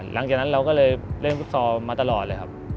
หลังจากนั้นเราก็เลยเล่นฟุตซอลมาตลอดเลยครับ